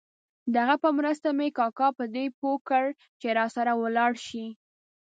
د هغه په مرسته مې کاکا په دې پوه کړ چې راسره ولاړ شي.